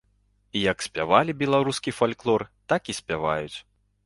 Як спявалі беларускі фальклор, так і спяваюць.